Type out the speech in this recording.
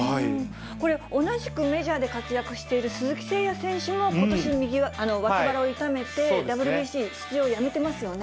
これ、同じくメジャーで活躍している鈴木誠也選手も、ことし、脇腹を痛めて、ＷＢＣ出場やめてますよね。